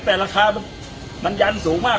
แต่ราคามันยันสูงมาก